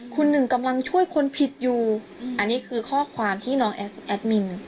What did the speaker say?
คุณหนึ่งกำลังช่วยคนผิดอยู่อันนี้คือข้อความที่น้องแอดมิน